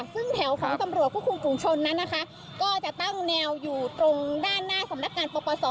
ซึ่งแถวของตำรวจข้มขุมตาวคุณชนนั้นแล้วก็จะตั้งแนวตรงด้านหน้าสำนักงานพปซ